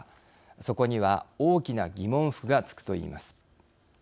そこには大きな疑問符がつくといいます。